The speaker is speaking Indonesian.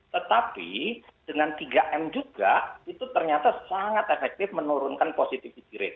tetapi dengan tiga m juga itu ternyata sangat efektif menurunkan positivity rate